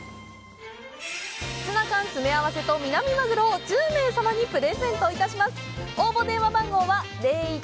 ツナ缶詰め合わせとミナミマグロを１０名様にプレゼントいたします。